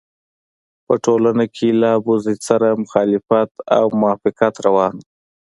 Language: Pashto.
په ټولنه کې له ابوزید سره مخالفت او موافقت روان وو.